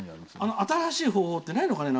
新しい方法ってないのかね。